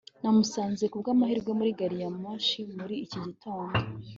namusanze kubwamahirwe muri gari ya moshi muri iki gitondo